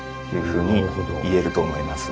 ふうに言えると思います。